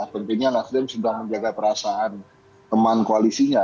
pentingnya nasda sudah menjaga perasaan teman koalisinya